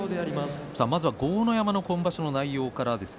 まずは豪ノ山の今場所の内容からです。